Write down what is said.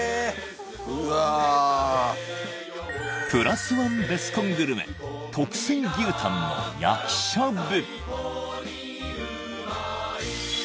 うわあプラスワンベスコングルメ特選牛タンの焼きしゃぶ